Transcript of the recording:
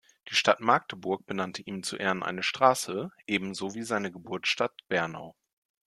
Die Stadt Magdeburg benannte ihm zu Ehren eine Straße, ebenso wie seine Geburtsstadt Bernau.